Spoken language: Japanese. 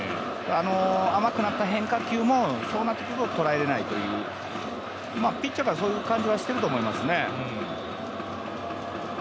甘くなった変化球も、そうなってくると捉えられないというピッチャーからそういう感じはしていると思いますね。